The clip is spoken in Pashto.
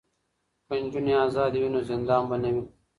که نجونې ازادې وي نو زندان به نه وي.